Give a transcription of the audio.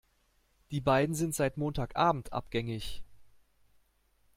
Die beiden sind seit Montag Abend abgängig.